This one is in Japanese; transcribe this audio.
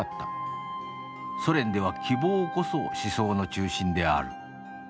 ソ連では希望こそ思想の中心である。